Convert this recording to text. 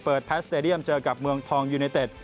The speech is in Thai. แพทย์สเตดียมเจอกับเมืองทองยูเนเต็ด